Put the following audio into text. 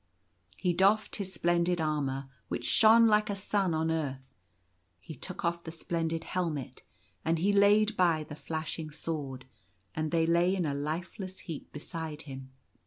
He doffed his splendid armour, which shone like a sun on earth, he took off the splendid helmet, and he laid by the flashing sword ; and they lay in a lifeless heap beside him.